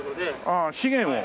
ああ資源を？